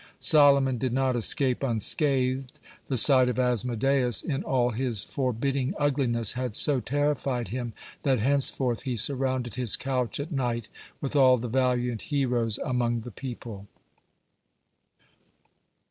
Solomon did not escape unscathed. The sight of Asmodeus in all his forbidding ugliness had so terrified him that henceforth he surrounded his couch at night with all the valiant heroes among the people.